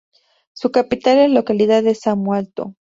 Su capital es la localidad de Samo Alto.